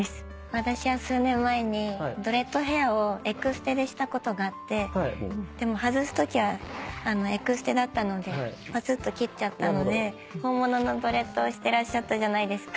私は数年前にドレッドヘアをエクステでしたことがあってでも外すときはエクステだったのでぱつっと切っちゃったので本物のドレッドをしてらっしゃったじゃないですか？